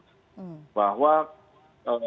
sudah harus menggaris secara tegas